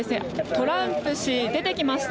トランプ氏、出てきました。